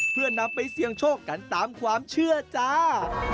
เพื่อนำไปเสี่ยงโชคกันตามความเชื่อจ้า